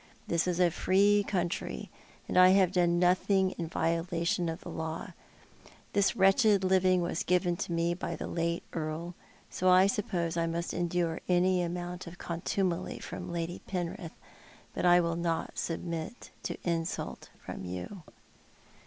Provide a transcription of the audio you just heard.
This is a free country, and I have done nothing in violation of the law. This wretched living was given to me by the late Earl, so I suppose I must endure any amount of contumely from Lady Penrith, but I will not submit to insult from you."